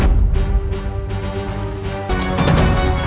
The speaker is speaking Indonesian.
ali zie tidak mau menunggu